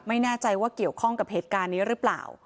ไม่แน่ใจว่าเกี่ยวข้องกับเหตุการณ์นี้หรือเปล่า